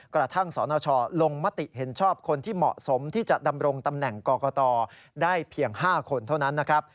กระทั่งสนชลงมติเห็นชอบคนที่เหมาะสมที่จะดำรงตำแหน่งกรกตได้เพียง๕คนเท่านั้นนะครับ